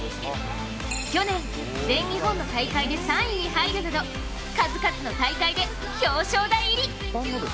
去年、全日本の大会で３位に入るなど数々の大会で表彰台入り。